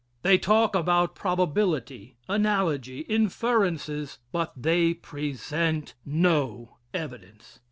They talk about probability analogy inferences but they present no evidence.